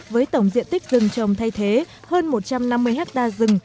với tổng diện tích rừng trồng thay thế hơn một trăm năm mươi hectare rừng